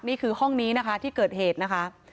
นี่คือห้องนี้นะคะที่เกิดเหตุนะคะ